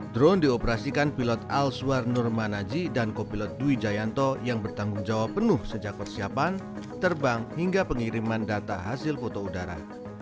drone dioperasikan pilot al suar nurmanaji dan kopilot dwi jayanto yang bertanggung jawab penuh sejak persiapan terbang hingga pengiriman data hasil foto udara